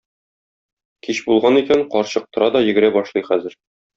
Кич булган икән, карчык тора да йөгерә башлый хәзер.